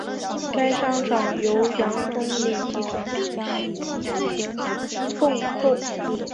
该商场由杨忠礼集团共构。